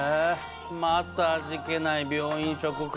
また味気ない病院食か。